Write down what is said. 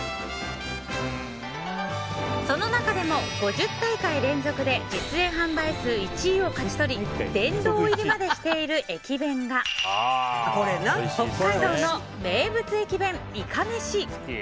その中でも５０大会連続で実演販売数１位を勝ち取り殿堂入りまでしている駅弁が北海道の名物駅弁、いかめし。